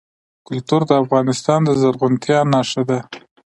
کلتور د افغانستان د زرغونتیا نښه ده.